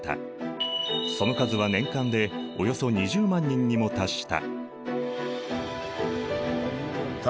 その数は年間でおよそ２０万人にも達した。